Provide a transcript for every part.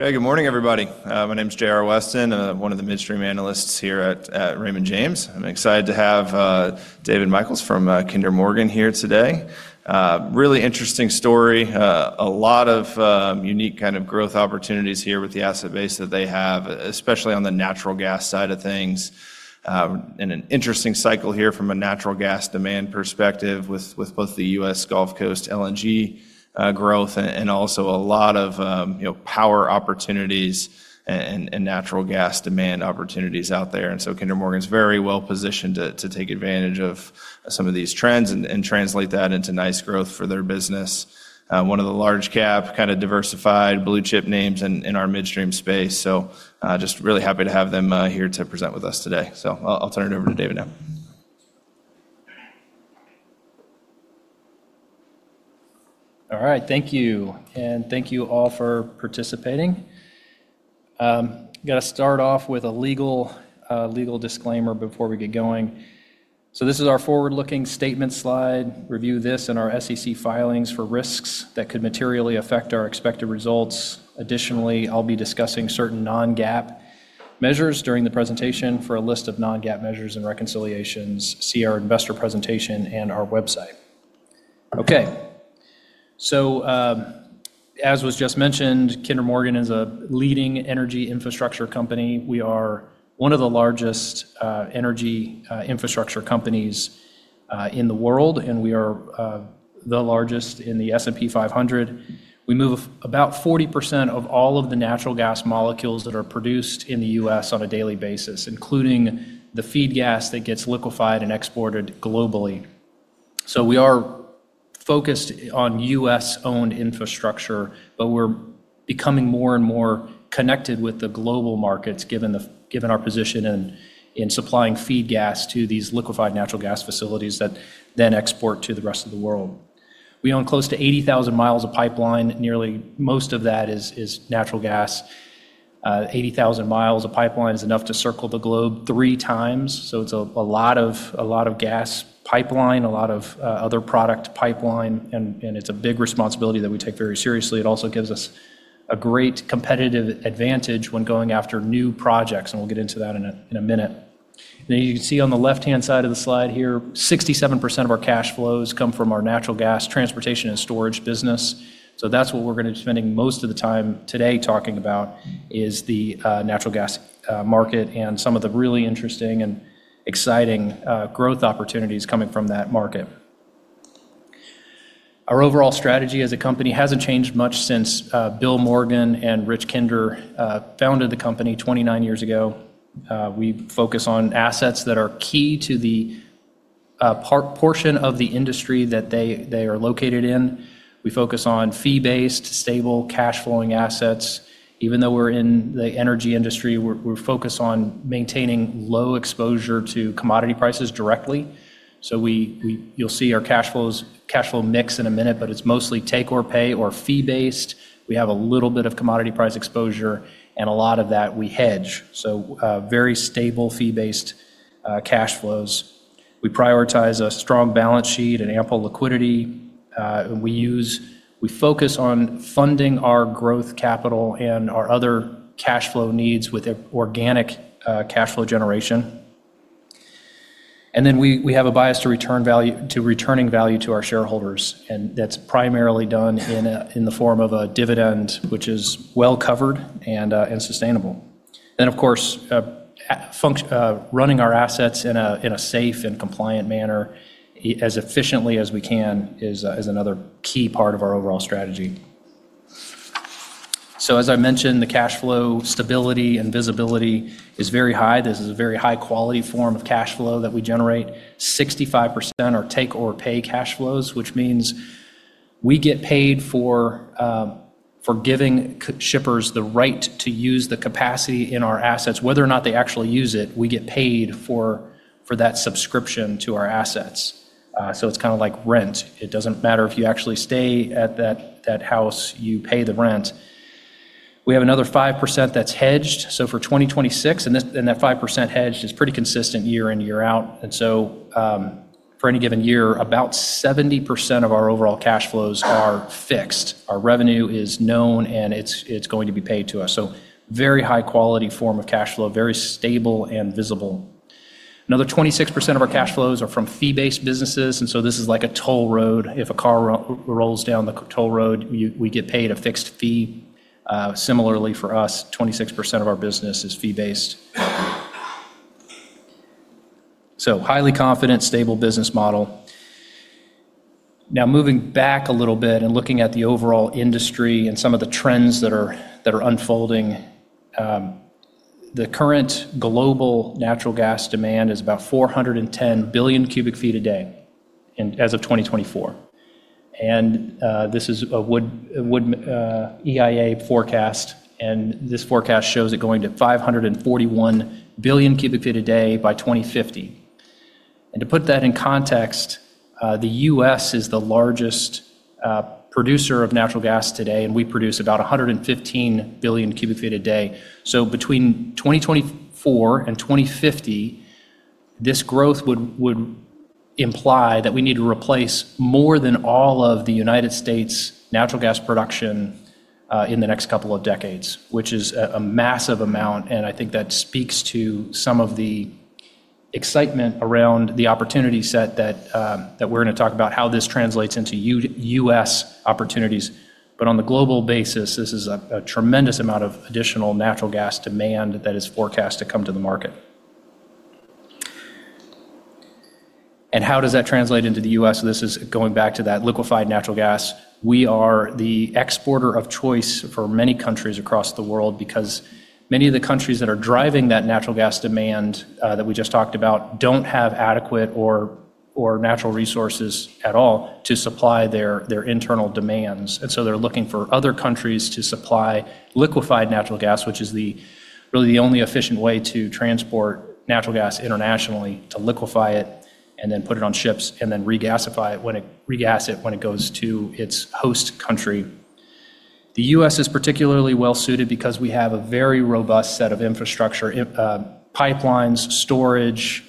Hey, good morning, everybody. My name's J.R. Weston, one of the midstream analysts here at Raymond James. I'm excited to have David Michels from Kinder Morgan here today. Really interesting story. A lot of unique kind of growth opportunities here with the asset base that they have, especially on the natural gas side of things. An interesting cycle here from a natural gas demand perspective with both the U.S. Gulf Coast LNG growth and also a lot of, you know, power opportunities and natural gas demand opportunities out there. Kinder Morgan's very well positioned to take advantage of some of these trends and translate that into nice growth for their business. One of the large cap kinda diversified blue chip names in our midstream space. Just really happy to have them, here to present with us today. I'll turn it over to David now. All right. Thank you, and thank you all for participating. gonna start off with a legal disclaimer before we get going. This is our forward-looking statement slide. Review this and our SEC filings for risks that could materially affect our expected results. Additionally, I'll be discussing certain non-GAAP measures during the presentation. For a list of non-GAAP measures and reconciliations, see our investor presentation and our website. Okay. As was just mentioned, Kinder Morgan is a leading energy infrastructure company. We are one of the largest energy infrastructure companies in the world, and we are the largest in the S&P 500. We move about 40% of all of the natural gas molecules that are produced in the U.S. on a daily basis, including the feed gas that gets liquefied and exported globally. We are focused on US-owned infrastructure, but we're becoming more and more connected with the global markets given our position in supplying feed gas to these liquefied natural gas facilities that then export to the rest of the world. We own close to 80,000 miles of pipeline. Nearly most of that is natural gas. 80,000 miles of pipeline is enough to circle the globe three times, so it's a lot of gas pipeline, a lot of other product pipeline, and it's a big responsibility that we take very seriously. It also gives us a great competitive advantage when going after new projects, and we'll get into that in a minute. You can see on the left-hand side of the slide here, 67% of our cash flows come from our natural gas transportation and storage business. That's what we're gonna be spending most of the time today talking about, is the natural gas market and some of the really interesting and exciting growth opportunities coming from that market. Our overall strategy as a company hasn't changed much since Bill Morgan and Rich Kinder founded the company 29 years ago. We focus on assets that are key to the portion of the industry that they are located in. We focus on fee-based, stable, cash-flowing assets. Even though we're in the energy industry, we're focused on maintaining low exposure to commodity prices directly. We... You'll see our cash flows, cash flow mix in a minute, but it's mostly take-or-pay or fee-based. We have a little bit of commodity price exposure. A lot of that we hedge. Very stable fee-based cash flows. We prioritize a strong balance sheet and ample liquidity. We focus on funding our growth capital and our other cash flow needs with organic cash flow generation. We have a bias to returning value to our shareholders, and that's primarily done in the form of a dividend which is well-covered and sustainable. Of course, running our assets in a safe and compliant manner as efficiently as we can is another key part of our overall strategy. As I mentioned, the cash flow stability and visibility is very high. This is a very high-quality form of cash flow that we generate. 65% are take-or-pay cash flows, which means we get paid for giving shippers the right to use the capacity in our assets. Whether or not they actually use it, we get paid for that subscription to our assets. So it's kinda like rent. It doesn't matter if you actually stay at that house. You pay the rent. We have another 5% that's hedged, so for 2026. This, and that 5% hedged is pretty consistent year in, year out. For any given year, about 70% of our overall cash flows are fixed. Our revenue is known, and it's going to be paid to us. Very high quality form of cash flow, very stable and visible. Another 26% of our cash flows are from fee-based businesses, this is like a toll road. If a car rolls down the toll road, we get paid a fixed fee. Similarly for us, 26% of our business is fee-based. Highly confident, stable business model. Moving back a little bit and looking at the overall industry and some of the trends that are unfolding, the current global natural gas demand is about 410 Bcf/d as of 2024. This is a Wood, EIA forecast, and this forecast shows it going to 541 Bcf/d by 2050. To put that in context, the US is the largest producer of natural gas today, and we produce about 115 Bcf/d. Between 2024 and 2050. This growth would imply that we need to replace more than all of the United States' natural gas production in the next couple of decades, which is a massive amount, and I think that speaks to some of the excitement around the opportunity set that we're gonna talk about how this translates into US opportunities. On the global basis, this is a tremendous amount of additional natural gas demand that is forecast to come to the market. How does that translate into the US? This is going back to that liquefied natural gas. We are the exporter of choice for many countries across the world because many of the countries that are driving that natural gas demand, that we just talked about don't have adequate or natural resources at all to supply their internal demands. They're looking for other countries to supply liquefied natural gas, which is the really the only efficient way to transport natural gas internationally, to liquefy it and then put it on ships and then regas it when it goes to its host country. The U.S. is particularly well-suited because we have a very robust set of infrastructure in pipelines, storage,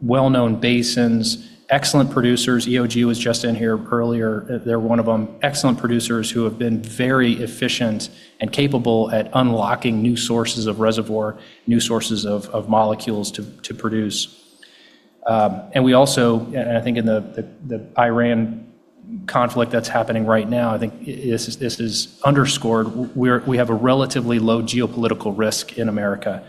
well-known basins, excellent producers. EOG was just in here earlier. They're one of them. Excellent producers who have been very efficient and capable at unlocking new sources of reservoir, new sources of molecules to produce. I think in the, the Iran conflict that's happening right now, I think this is, this is underscored we have a relatively low geopolitical risk in America.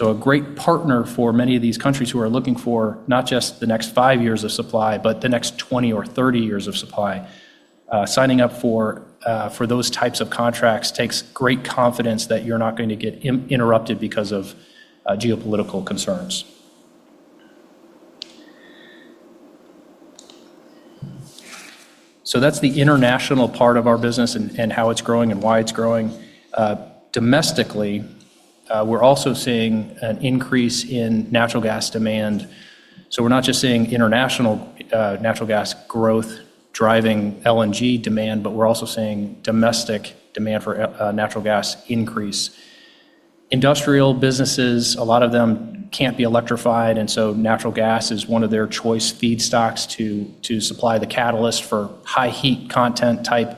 A great partner for many of these countries who are looking for not just the next five years of supply, but the next 20 or 30 years of supply. Signing up for those types of contracts takes great confidence that you're not going to get interrupted because of geopolitical concerns. That's the international part of our business and how it's growing and why it's growing. Domestically, we're also seeing an increase in natural gas demand. We're not just seeing international natural gas growth driving LNG demand, but we're also seeing domestic demand for natural gas increase. Industrial businesses, a lot of them can't be electrified, and so natural gas is one of their choice feedstocks to supply the catalyst for high heat content type,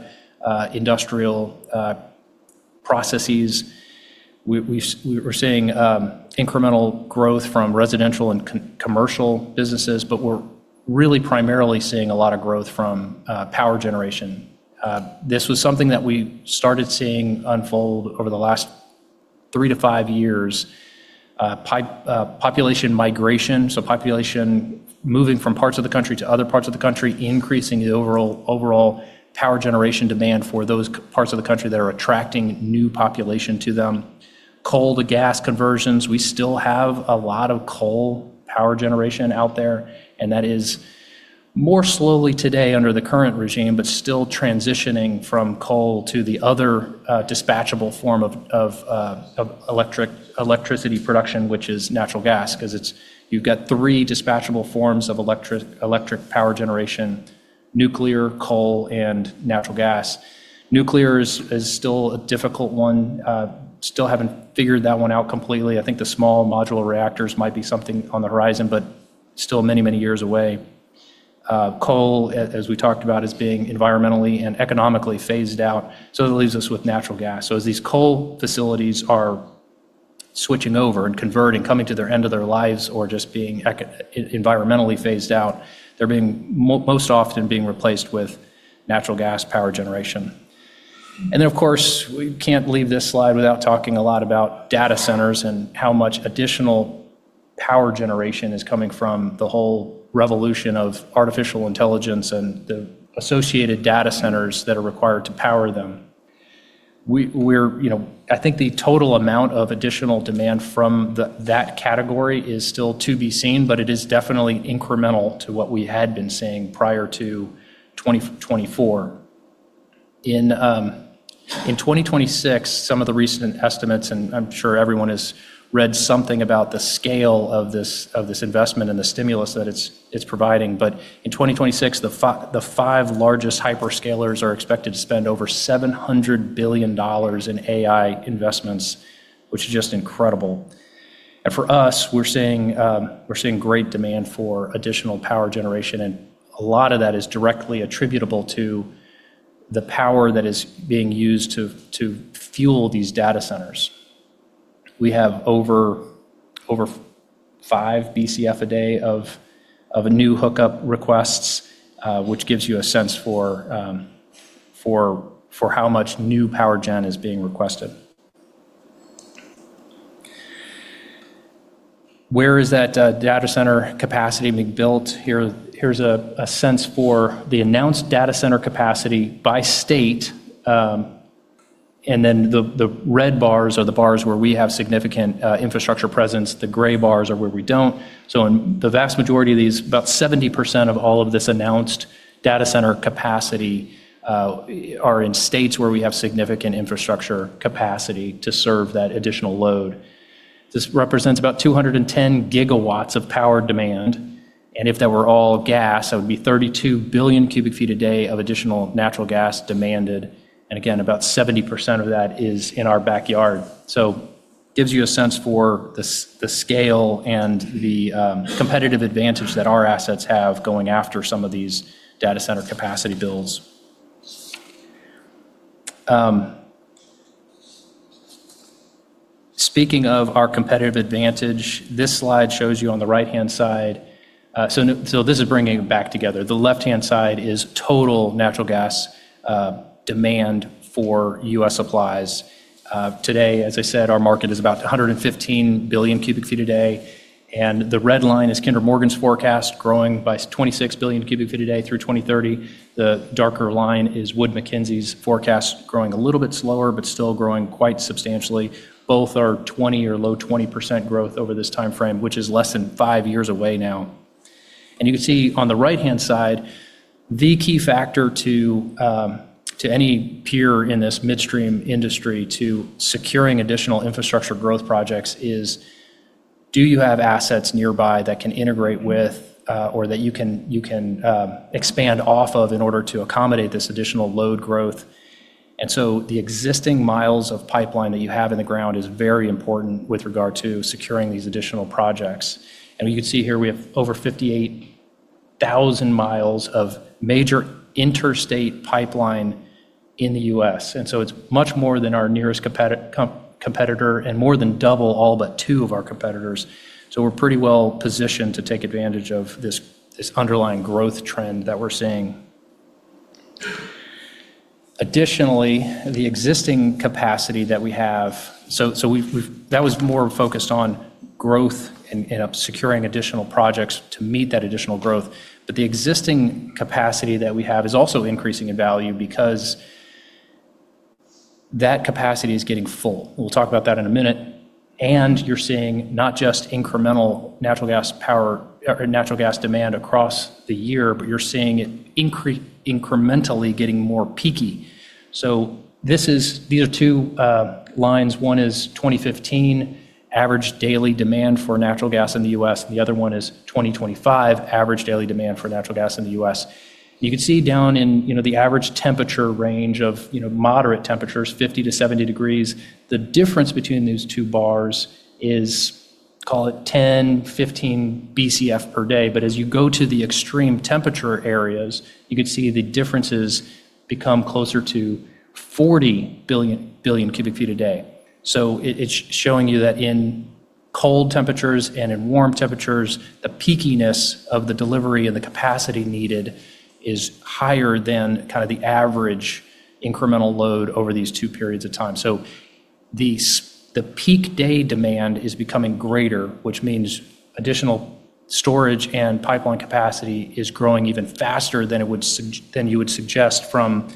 industrial processes. We're seeing incremental growth from residential and commercial businesses, but we're really primarily seeing a lot of growth from power generation. This was something that we started seeing unfold over the last three to five years. Population migration, so population moving from parts of the country to other parts of the country, increasing the overall power generation demand for those parts of the country that are attracting new population to them. Coal-to-gas conversions, we still have a lot of coal power generation out there. That is more slowly today under the current regime, but still transitioning from coal to the other, dispatchable form of electricity production, which is natural gas. You've got three dispatchable forms of electric power generation: nuclear, coal, and natural gas. Nuclear is still a difficult one. Still haven't figured that one out completely. I think the small modular reactors might be something on the horizon, but still many, many years away. Coal, as we talked about, is being environmentally and economically phased out. That leaves us with natural gas. As these coal facilities are switching over and converting, coming to their end of their lives or just being environmentally phased out, they're most often being replaced with natural gas power generation. Of course, we can't leave this slide without talking a lot about data centers and how much additional power generation is coming from the whole revolution of artificial intelligence and the associated data centers that are required to power them. You know, I think the total amount of additional demand from that category is still to be seen, but it is definitely incremental to what we had been seeing prior to 2024. In 2026, some of the recent estimates, and I'm sure everyone has read something about the scale of this, of this investment and the stimulus that it's providing. In 2026, the five largest hyperscalers are expected to spend over $700 billion in AI investments, which is just incredible. For us, we're seeing great demand for additional power generation, and a lot of that is directly attributable to the power that is being used to fuel these data centers. We have over 5 Bcf/d of a new hookup requests, which gives you a sense for how much new power gen is being requested. Where is that data center capacity being built? Here's a sense for the announced data center capacity by state. The red bars are the bars where we have significant infrastructure presence. The gray bars are where we don't. In the vast majority of these, about 70% of all of this announced data center capacity are in states where we have significant infrastructure capacity to serve that additional load. This represents about 210 GW of power demand. If they were all gas, that would be 32 Bcf/d of additional natural gas demanded, and again, about 70% of that is in our backyard. Gives you a sense for the scale and the competitive advantage that our assets have going after some of these data center capacity builds. Speaking of our competitive advantage, this slide shows you on the right-hand side, this is bringing it back together. The left-hand side is total natural gas demand for U.S. supplies. Today, as I said, our market is about 115 Bcf/d. The red line is Kinder Morgan's forecast growing by 26 Bcf/d through 2030. The darker line is Wood Mackenzie's forecast growing a little bit slower, but still growing quite substantially. Both are 20% or low 20% growth over this timeframe, which is less than five years away now. You can see on the right-hand side, the key factor to any peer in this midstream industry to securing additional infrastructure growth projects is, do you have assets nearby that can integrate with, or that you can expand off of in order to accommodate this additional load growth? The existing miles of pipeline that you have in the ground is very important with regard to securing these additional projects. We can see here we have over 58,000 miles of major interstate pipeline in the U.S. It's much more than our nearest competitor and more than double all but two of our competitors. We're pretty well positioned to take advantage of this underlying growth trend that we're seeing. Additionally, the existing capacity that we have. That was more focused on growth and securing additional projects to meet that additional growth. The existing capacity that we have is also increasing in value because that capacity is getting full. We'll talk about that in a minute. You're seeing not just incremental natural gas power or natural gas demand across the year, but you're seeing it incrementally getting more peaky. These are two lines. One is 2015 average daily demand for natural gas in the U.S. The other one is 2025 average daily demand for natural gas in the U.S. You can see down in, you know, the average temperature range of, you know, moderate temperatures, 50 to 70 degrees, the difference between these two bars is, call it 10-15 BCF per day. As you go to the extreme temperature areas, you can see the differences become closer to 40 Bcf/d. It's showing you that in cold temperatures and in warm temperatures, the peakiness of the delivery and the capacity needed is higher than kind of the average incremental load over these two periods of time. The peak day demand is becoming greater, which means additional storage and pipeline capacity is growing even faster than it would than you would suggest from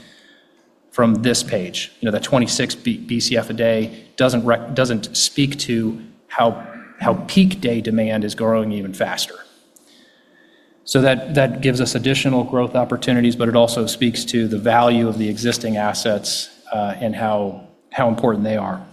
this page. You know, that 26 BCF a day doesn't speak to how peak day demand is growing even faster. That gives us additional growth opportunities, but it also speaks to the value of the existing assets, and how important they are.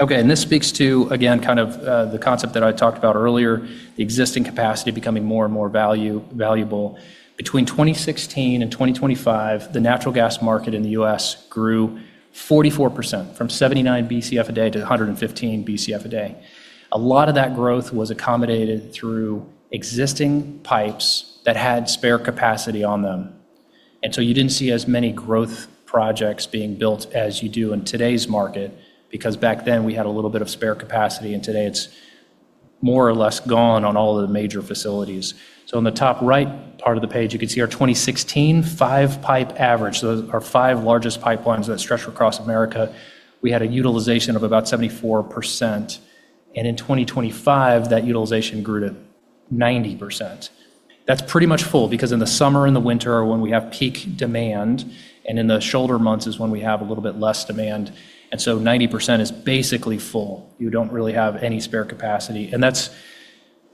Okay, this speaks to, again, kind of, the concept that I talked about earlier, existing capacity becoming more and more valuable. Between 2016 and 2025, the natural gas market in the U.S. grew 44% from 79 BCF a day to 115 BCF a day. A lot of that growth was accommodated through existing pipes that had spare capacity on them. You didn't see as many growth projects being built as you do in today's market, because back then we had a little bit of spare capacity, and today it's more or less gone on all of the major facilities. In the top right part of the page, you can see our 2016 five-pipe average. Our five largest pipelines that stretch across America, we had a utilization of about 74%. In 2025, that utilization grew to 90%. That's pretty much full because in the summer and the winter are when we have peak demand, and in the shoulder months is when we have a little bit less demand. 90% is basically full. You don't really have any spare capacity. That's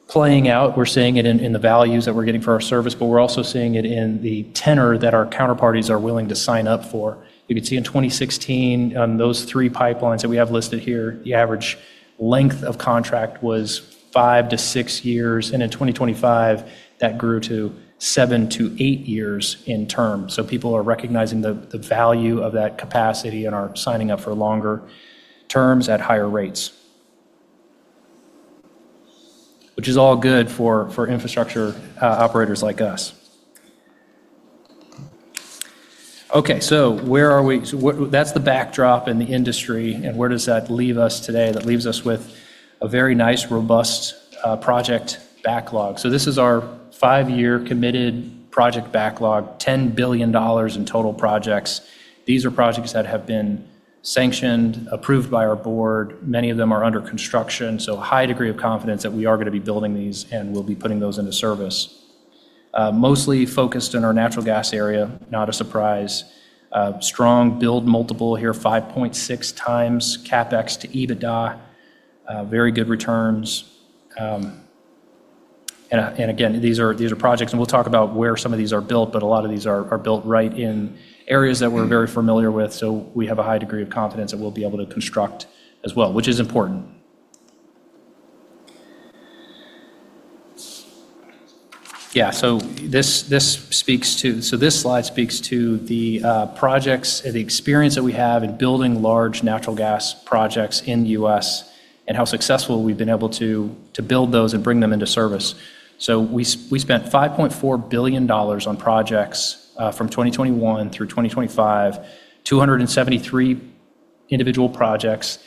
playing out. We're seeing it in the values that we're getting for our service, but we're also seeing it in the tenor that our counterparties are willing to sign up for. You can see in 2016, on those three pipelines that we have listed here, the average length of contract was 5-6 years. In 2025, that grew to 7-8 years in terms. People are recognizing the value of that capacity and are signing up for longer terms at higher rates, which is all good for infrastructure operators like us. Okay, where are we? That's the backdrop in the industry and where does that leave us today? That leaves us with a very nice, robust project backlog. This is our five-year committed project backlog, $10 billion in total projects. These are projects that have been sanctioned, approved by our board. Many of them are under construction, so high degree of confidence that we are gonna be building these, and we'll be putting those into service. Mostly focused in our natural gas area, not a surprise. Strong build multiple here, 5.6x CapEx to EBITDA. Very good returns. Again, these are projects, and we'll talk about where some of these are built, but a lot of these are built right in areas that we're very familiar with, so we have a high degree of confidence that we'll be able to construct as well, which is important. This slide speaks to the projects, the experience that we have in building large natural gas projects in the U.S. and how successful we've been able to build those and bring them into service. We spent $5.4 billion on projects from 2021 through 2025, 273 individual projects,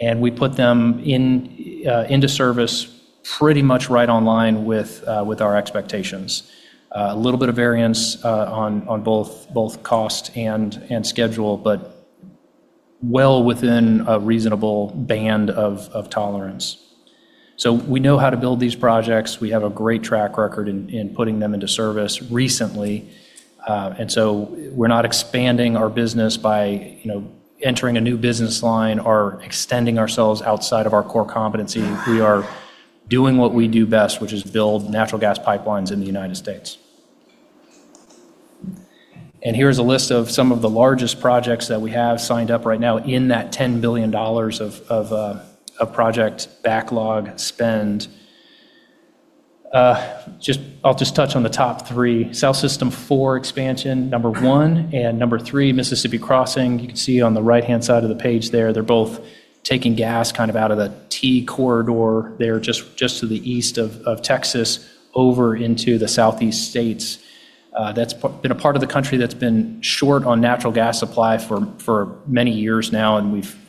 and we put them into service pretty much right online with our expectations. A little bit of variance on both cost and schedule, but well within a reasonable band of tolerance. We know how to build these projects. We have a great track record in putting them into service recently. So we're not expanding our business by, you know, entering a new business line or extending ourselves outside of our core competency. We are doing what we do best, which is build natural gas pipelines in the United States. Here's a list of some of the largest projects that we have signed up right now in that $10 billion of project backlog spend. I'll just touch on the top three. South System Expansion 4, number one, and number three, Mississippi Crossing. You can see on the right-hand side of the page there, they're both taking gas kind of out of the T corridor there just to the east of Texas over into the southeast states. That's been a part of the country that's been short on natural gas supply for many years now.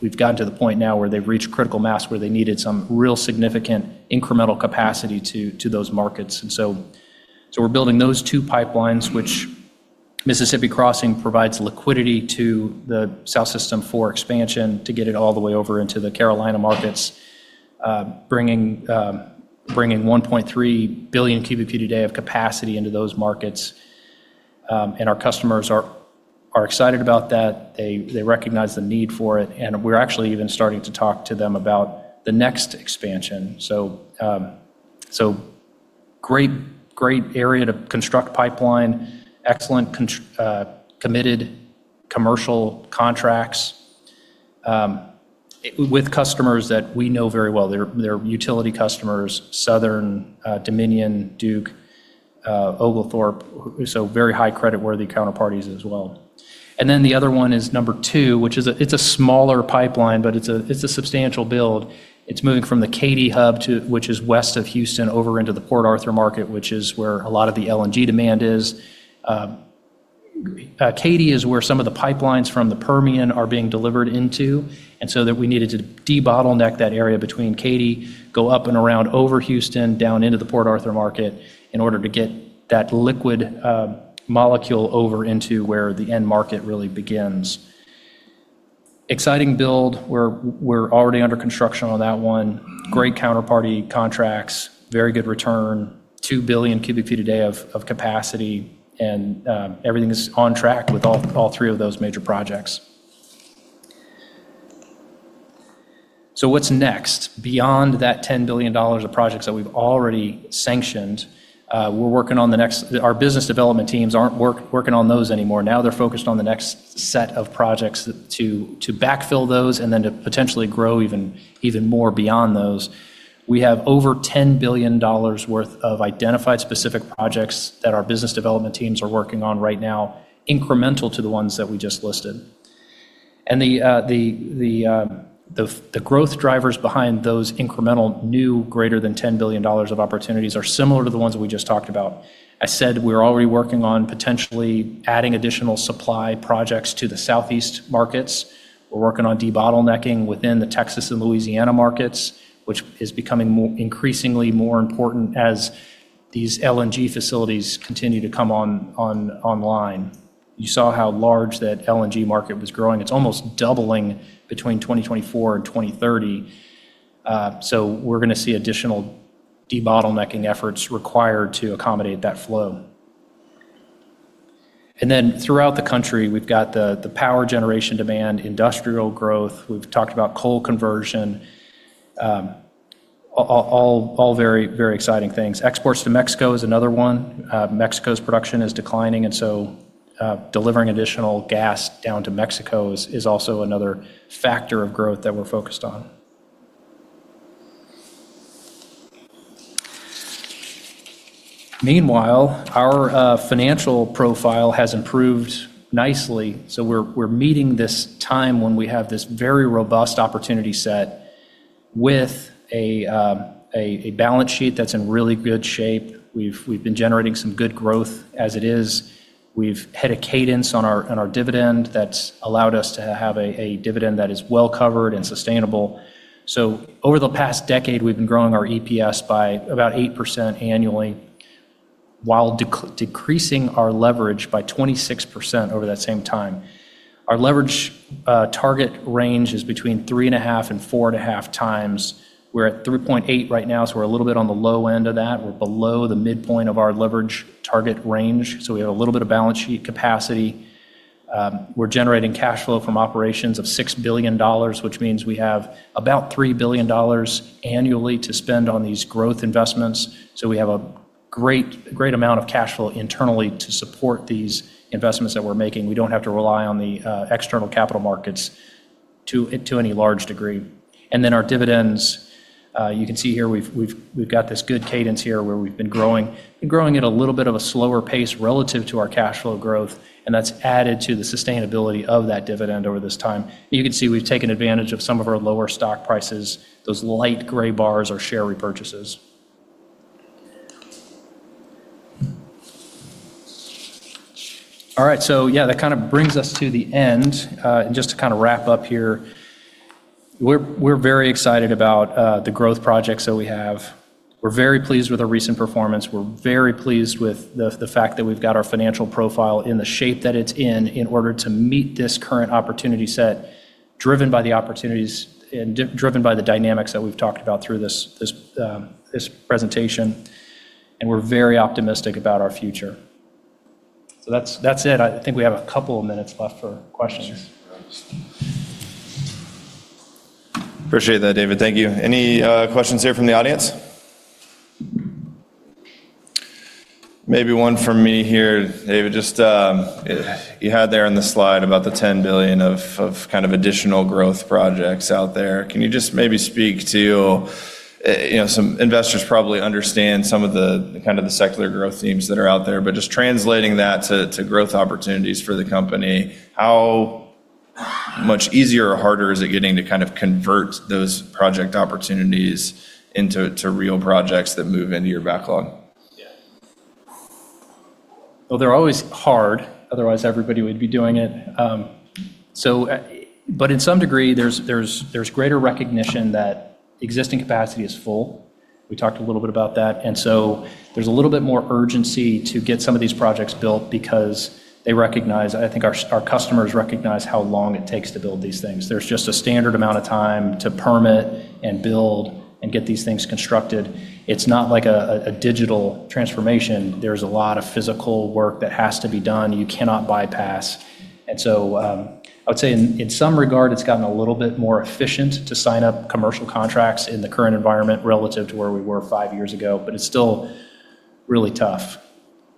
We've gotten to the point now where they've reached critical mass where they needed some real significant incremental capacity to those markets. We're building those two pipelines, which Mississippi Crossing provides liquidity to the South System 4 expansion to get it all the way over into the Carolina markets, bringing 1.3 Bcf/d of capacity into those markets. Our customers are excited about that. They recognize the need for it, and we're actually even starting to talk to them about the next expansion. Great area to construct pipeline, excellent committed commercial contracts, with customers that we know very well. They're utility customers, Southern, Dominion, Duke, Oglethorpe, so very high creditworthy counterparties as well. The other one is number two, which is it's a smaller pipeline, but it's a, it's a substantial build. It's moving from the Katy Hub to which is west of Houston over into the Port Arthur market, which is where a lot of the LNG demand is. Katy is where some of the pipelines from the Permian are being delivered into, so that we needed to de-bottleneck that area between Katy, go up and around over Houston, down into the Port Arthur market in order to get that liquid molecule over into where the end market really begins. Exciting build. We're already under construction on that one. Great counterparty contracts, very good return, 2 Bcf/d of capacity, everything is on track with all three of those major projects. What's next? Beyond that $10 billion of projects that we've already sanctioned, we're working on the next. Our business development teams aren't working on those anymore. Now they're focused on the next set of projects to backfill those and then to potentially grow even more beyond those. We have over $10 billion worth of identified specific projects that our business development teams are working on right now, incremental to the ones that we just listed. The growth drivers behind those incremental new greater than $10 billion of opportunities are similar to the ones we just talked about. I said we're already working on potentially adding additional supply projects to the southeast markets. We're working on de-bottlenecking within the Texas and Louisiana markets, which is becoming increasingly more important as these LNG facilities continue to come online. You saw how large that LNG market was growing. It's almost doubling between 2024 and 2030. We're gonna see additional de-bottlenecking efforts required to accommodate that flow. Throughout the country, we've got the power generation demand, industrial growth. We've talked about coal conversion. All very, very exciting things. Exports to Mexico is another one. Mexico's production is declining, delivering additional gas down to Mexico is also another factor of growth that we're focused on. Meanwhile, our financial profile has improved nicely, so we're meeting this time when we have this very robust opportunity set with a balance sheet that's in really good shape. We've been generating some good growth as it is. We've had a cadence on our dividend that's allowed us to have a dividend that is well-covered and sustainable. Over the past decade, we've been growing our EPS by about 8% annually while decreasing our leverage by 26% over that same time. Our leverage target range is between 3.5 and 4.5x. We're at 3.8 right now, so we're a little bit on the low end of that. We're below the midpoint of our leverage target range, so we have a little bit of balance sheet capacity. We're generating cash flow from operations of $6 billion, which means we have about $3 billion annually to spend on these growth investments. We have a great amount of cash flow internally to support these investments that we're making. We don't have to rely on the external capital markets to any large degree. Our dividends, you can see here we've got this good cadence here where we've been growing at a little bit of a slower pace relative to our cash flow growth, and that's added to the sustainability of that dividend over this time. You can see we've taken advantage of some of our lower stock prices. Those light gray bars are share repurchases. All right. Yeah, that kind of brings us to the end. Just to kind of wrap up here, we're very excited about the growth projects that we have. We're very pleased with our recent performance. We're very pleased with the fact that we've got our financial profile in the shape that it's in in order to meet this current opportunity set, driven by the opportunities and driven by the dynamics that we've talked about through this presentation. We're very optimistic about our future. That's, that's it. I think we have a couple of minutes left for questions. Sure. Appreciate that, David. Thank you. Any questions here from the audience? Maybe one from me here, David. Just, you had there on the slide about the $10 billion of kind of additional growth projects out there. Can you just maybe speak to, you know, some investors probably understand some of the, kind of the secular growth themes that are out there, but just translating that to growth opportunities for the company, how much easier or harder is it getting to kind of convert those project opportunities into, to real projects that move into your backlog? Well, they're always hard, otherwise everybody would be doing it. But in some degree, there's greater recognition that existing capacity is full. We talked a little bit about that. There's a little bit more urgency to get some of these projects built because they recognize. I think our customers recognize how long it takes to build these things. There's just a standard amount of time to permit and build and get these things constructed. It's not like a digital transformation. There's a lot of physical work that has to be done you cannot bypass. I would say in some regard, it's gotten a little bit more efficient to sign up commercial contracts in the current environment relative to where we were five years ago, but it's still really tough.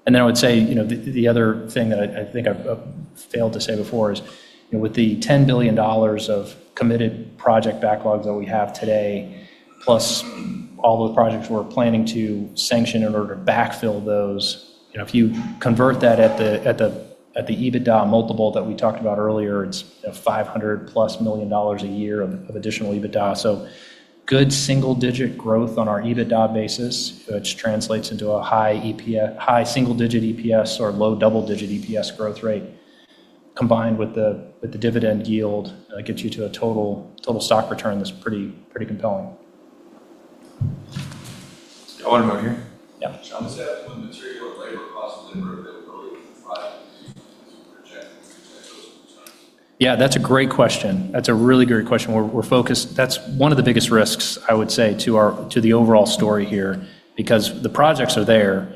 I would say, you know, the other thing that I think I've failed to say before is, you know, with the $10 billion of committed project backlogs that we have today, plus all the projects we're planning to sanction in order to backfill those, you know, if you convert that at the EBITDA multiple that we talked about earlier, it's, you know, $500+ million a year of additional EBITDA. Good single-digit growth on our EBITDA basis, which translates into a high single-digit EPS or low double-digit EPS growth rate, combined with the dividend yield, gets you to a total stock return that's pretty compelling. I want to move here. Yeah. How does that material labor cost deliverability project? Yeah, that's a great question. That's a really great question. We're focused. That's one of the biggest risks, I would say, to the overall story here, because the projects are there.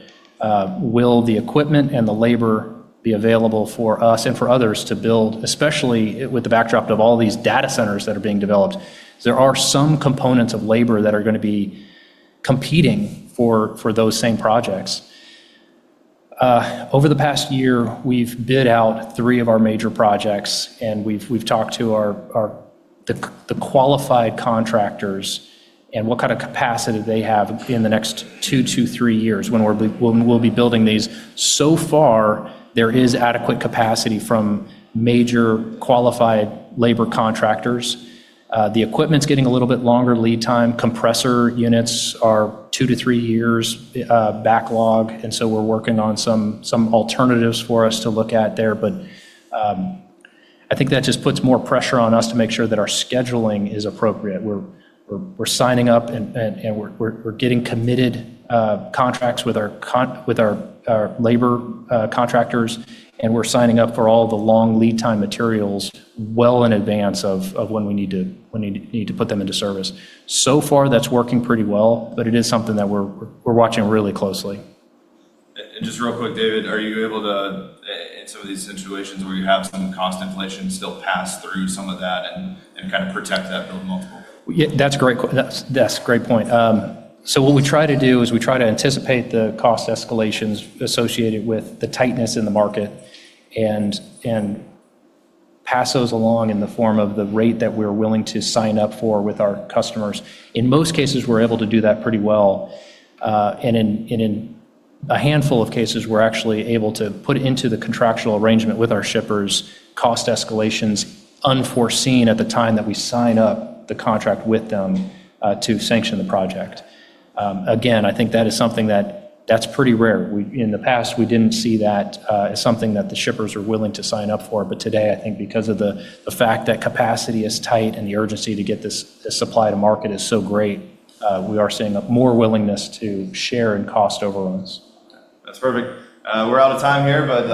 Will the equipment and the labor be available for us and for others to build? Especially with the backdrop of all these data centers that are being developed, there are some components of labor that are gonna be competing for those same projects. Over the past year, we've bid out three of our major projects, and we've talked to our qualified contractors and what kind of capacity they have in the next two to three years when we'll be building these. So far, there is adequate capacity from major qualified labor contractors. The equipment's getting a little bit longer lead time. Compressor units are 2-3 years backlog. We're working on some alternatives for us to look at there. I think that just puts more pressure on us to make sure that our scheduling is appropriate. We're signing up and we're getting committed contracts with our labor contractors, and we're signing up for all the long lead time materials well in advance of when we need to put them into service. So far, that's working pretty well, but it is something that we're watching really closely. Just real quick, David, are you able to, in some of these situations where you have some cost inflation still pass through some of that and kind of protect that build multiple? That's a great point. What we try to do is we try to anticipate the cost escalations associated with the tightness in the market and pass those along in the form of the rate that we're willing to sign up for with our customers. In most cases, we're able to do that pretty well. In a handful of cases, we're actually able to put into the contractual arrangement with our shippers cost escalations unforeseen at the time that we sign up the contract with them, to sanction the project. Again, I think that is something that's pretty rare. In the past, we didn't see that as something that the shippers are willing to sign up for. Today, I think because of the fact that capacity is tight and the urgency to get this supply to market is so great, we are seeing a more willingness to share in cost overruns. That's perfect. We're out of time here, but